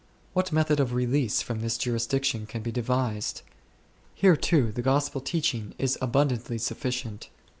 What method of release from this jurisdiction can be devised ? Here too the Gospel teaching is abundantly sufficient.